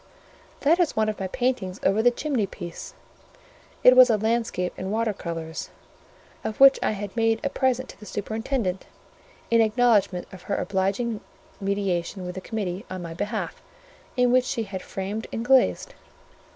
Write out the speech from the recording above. "That is one of my paintings over the chimney piece." It was a landscape in water colours, of which I had made a present to the superintendent, in acknowledgment of her obliging mediation with the committee on my behalf, and which she had framed and glazed.